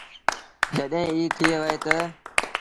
جڏهيݩٚ ايٚ ٿئي وهي تا